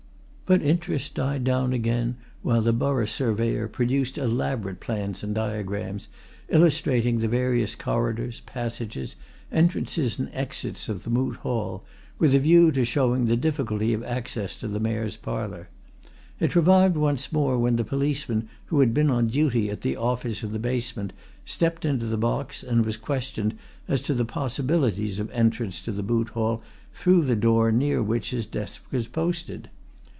But interest died down again while the Borough Surveyor produced elaborate plans and diagrams, illustrating the various corridors, passages, entrances and exits of the Moot Hall, with a view to showing the difficulty of access to the Mayor's Parlour. It revived once more when the policeman who had been on duty at the office in the basement stepped into the box and was questioned as to the possibilities of entrance to the Moot Hall through the door near which his desk was posted.